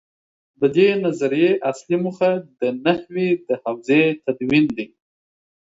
د دې نظریې اصلي موخه د نحوې د حوزې تدوین دی.